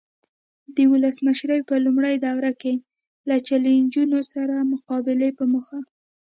د ولسمشرۍ په لومړۍ دوره کې له چلنجونو سره مقابلې په موخه.